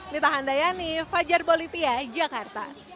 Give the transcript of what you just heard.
nita handayani fajar bolivia jakarta